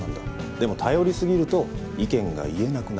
でも頼り過ぎると意見が言えなくなる。